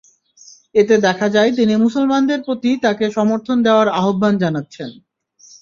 এতে দেখা যায়, তিনি মুসলমানদের প্রতি তাঁকে সমর্থন দেওয়ার আহ্বান জানাচ্ছেন।